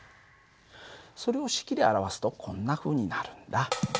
それを式で表すとこんなふうになるんだ。